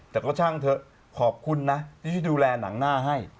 แต่ก็ช่างเถอะขอบคุณนะที่ดูแลหนังหน้าให้